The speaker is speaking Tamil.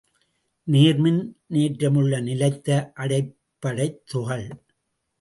நேர்மின்னேற்றமுள்ள நிலைத்த அடிப்படைத்துகள்.